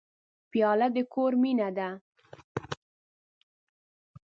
پیاله د کور مینه ده.